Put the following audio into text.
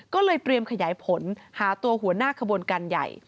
ก็เลยเตรียมขยายผลหาตัวหัวหน้าขบวนการใหญ่